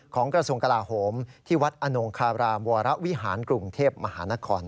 กระทรวงกลาโหมที่วัดอนงคารามวรวิหารกรุงเทพมหานคร